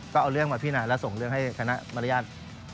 ก็เอาเรื่องมาพินาและส่งเรื่องให้คณะมารยาท